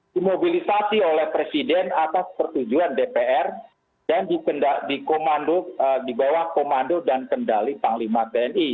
dimobilisasi oleh presiden atas tujuan dpr dan dibawah komando dan kendali panglima tni